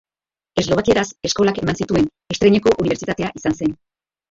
Eslovakieraz eskolak eman zituen estreineko unibertsitatea izan zen.